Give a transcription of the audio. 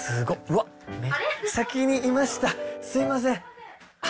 ・先にいましたすいません。